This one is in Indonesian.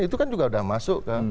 itu kan juga sudah masuk ke